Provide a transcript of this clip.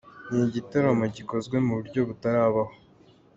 Ni igitaramo gikozwe mu buryo butarabaho”.